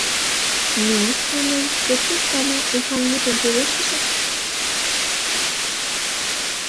«Ну, — шонем, — кеч ик гана ушан мутым пелештышыч».